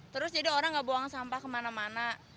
terus jadi orang nggak buang sampah kemana mana